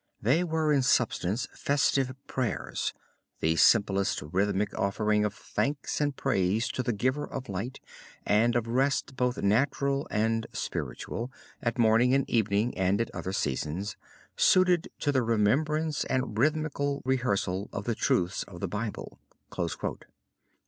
They were in substance festive prayers, the simplest rhythmic offering of thanks and praise to the Giver of Light and of rest both natural and spiritual, at morning and evening and at other seasons, suited to the remembrance and rhythmical rehearsal of the truths of the Bible."